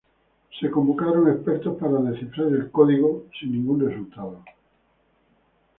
Se convocaron expertos para descifrar el código, sin ningún resultado.